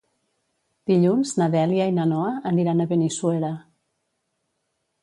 Dilluns na Dèlia i na Noa aniran a Benissuera.